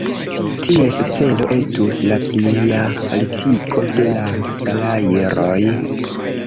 Ties celo estus la plialtigo de la salajroj.